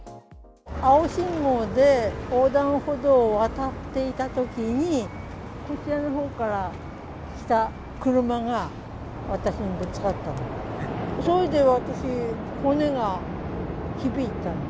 青信号で横断歩道を渡っていたときに、こちらのほうから来た車が私にぶつかったの。